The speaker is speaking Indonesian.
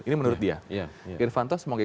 ini menurut dia irvanto sebagai